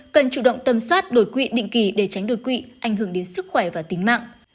cần chủ động tâm soát đột quỵ định kỳ để tránh đột quỵ ảnh hưởng đến sức khỏe và tính mạng